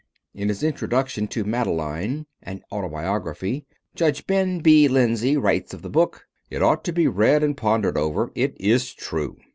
In his introduction to Madeleine: An Autobiography, Judge Ben B. Lindsey writes of the book, "It ought to be read and pondered over. It is true."